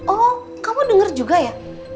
oh kamu denger juga ya